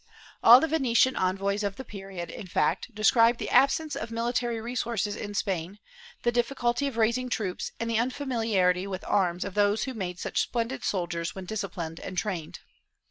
All the Venetian envoys of the period, in fact, describe the absence of military resources in Spain, the difficulty of raising troops and the unfamiliarity with arms of those who made such splendid soldiers when disciplined and trained.